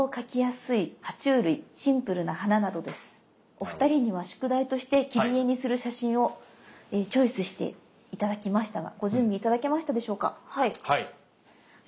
お二人には宿題として切り絵にする写真をチョイスして頂きましたがご準備頂けましたでしょうか？